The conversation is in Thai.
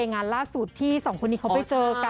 งานล่าสุดที่สองคนนี้เขาไปเจอกัน